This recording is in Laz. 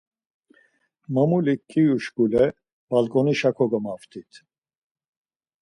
Mamulik ǩiyuşkule balǩonişa kogamaptit.